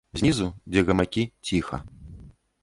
Знізу, дзе гамакі, ціха.